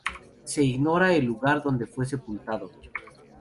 Se ignora el lugar donde fue sepultado.